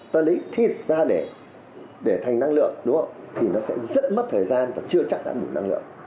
ta lấy thịt ra để thành năng lượng thì nó sẽ rất mất thời gian và chưa chắc đã bủ năng lượng